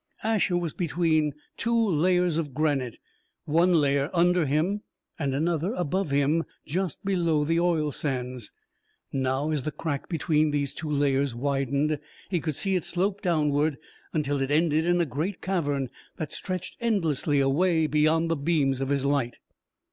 Asher was between two layers of granite one layer under him, and another above him, just below the oil sands. Now, as the crack between these two layers widened, he could see it slope downward until it ended in a great cavern that stretched endlessly away beyond the beams of his light.